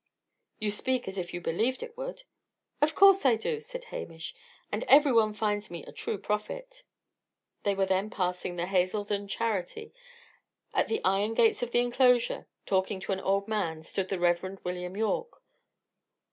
"You speak as if you believed it would." "Of course I do," said Hamish. "And every one finds me a true prophet." They were then passing the Hazledon Charity. At the iron gates of the inclosure, talking to an old man, stood the Rev. William Yorke.